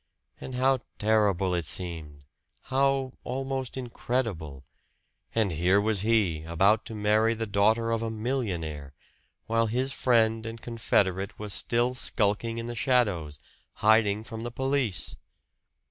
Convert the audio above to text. And how terrible it seemed how almost incredible! And here was he, about to marry the daughter of a millionaire while his friend and confederate was still skulking in the shadows, hiding from the police.